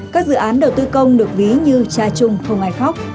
các dự án đầu tư công được ví như cha trung không ai khóc